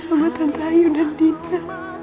bukan hidup yang kayak gini